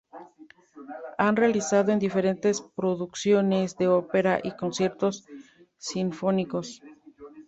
Ha realizado en diferentes producciones de ópera y conciertos sinfónicos.